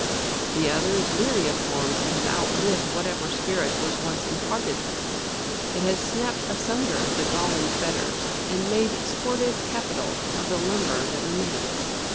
The other is weary of forms that have outlived whatever spirit was once imparted them; it has snapped asunder the galling fetters, and made sportive capital of the lumber that remains.